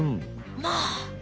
まあ！